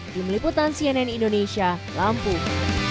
di meliputan cnn indonesia lampung